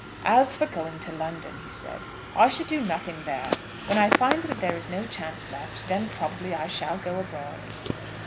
"As for going to London," he said, "I should do nothing there. When I find that there is no chance left, then probably I shall go abroad."